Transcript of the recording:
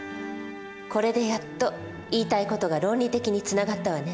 これでやっと言いたい事が論理的につながったわね。